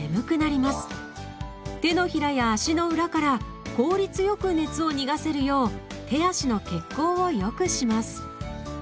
手のひらや足の裏から効率よく熱を逃がせるよう手足の血行をよくします。